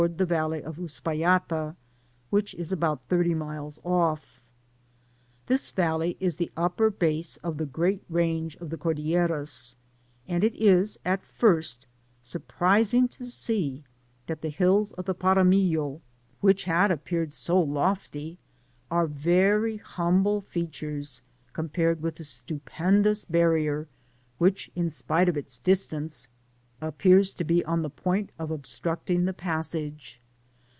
the valley c^ Uspallata, which U about thirty miles c^* The valley 19 the upper base of the great range of the Cordillera; and it U, at fi^t^ surprising to see that the hills oi the Paramillo» which had appeared so lofty, are very humble features, com^ pared with the stupendous barrier which, in sjpke ot its distance, appears to be on the point of obstructing the passage.